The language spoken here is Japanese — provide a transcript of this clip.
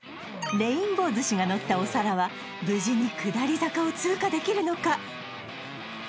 レインボー寿司がのったお皿は無事に下り坂を通過できるのか？